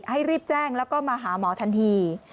ให้รีบแจ้งแล้วก็มาหาหมอทันที